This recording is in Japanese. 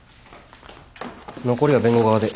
残りは弁護側で。